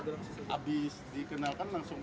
pak habis dikenalkan langsung